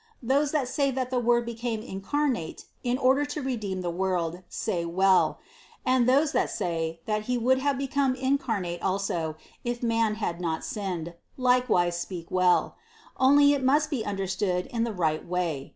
Those that say that the Word became incarnate in order to redeem the world, say well; and those that say, that He would have become incarnate also, if man had not sinned, like wise speak well, only it must be understood in the right way.